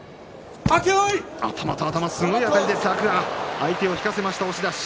相手を引かせました押し出し。